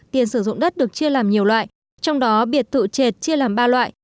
tiền sử dụng đất được chia làm nhiều loại trong đó biệt tự chệt chia làm ba loại